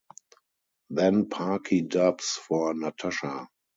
Then Paakhi dubs for Natasha.